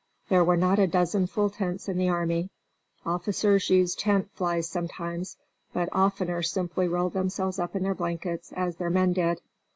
There were not a dozen full tents in the army. Officers used tent flies sometimes, but oftener simply rolled themselves up in their blankets, as their men did.